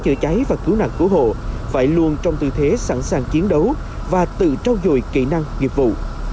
chữa cháy và cứu nạn cứu hộ phải luôn trong tư thế sẵn sàng chiến đấu và tự trao dồi kỹ năng nghiệp vụ